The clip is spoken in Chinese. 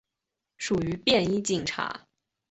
属于便衣警察。